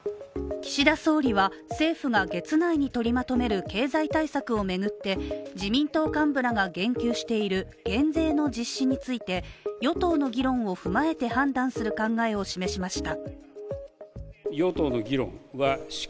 岸田総理は政府が月内に取りまとめる経済対策を巡って自民党幹部らが言及している減税の実施について、与党の議論を踏まえて判断する考えを示しました。